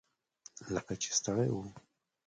لکه چې ستړي وو.